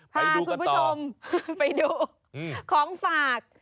พาคุณผู้ชมไปดูของฝาก